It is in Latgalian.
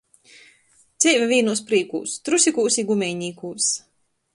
Dzeive vīnūs prīkūs – trusikūs i gumejnīkūs.